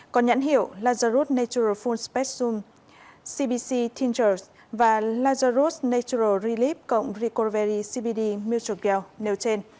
có nhãn hiệu lazarus natural full specium cbc tinctures và lazarus natural relief cộng recovery cbd mitrogrel nêu trên